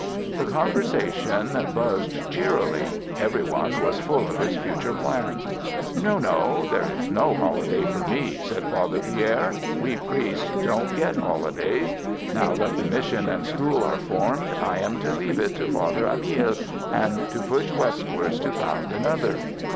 The conversation buzzed cheerily. Everyone was full of his future plans. "No, no, there is no holiday for me," said Father Pierre. "We priests don't get holidays. Now that the mission and school are formed I am to leave it to Father Amiel, and to push westwards to found another."